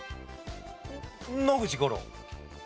野口五郎。